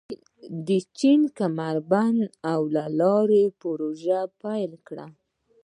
چین د کمربند او لارې پروژه پیل کړه.